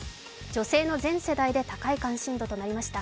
女性の全世代で高い関心度となりました。